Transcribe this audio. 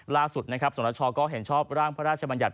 ล่าสุดสงรชาก็เห็นชอบร่างพระราชบัญญัติ